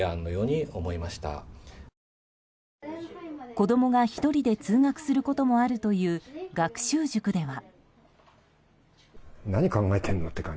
子供が１人で通学することもあるという学習塾では。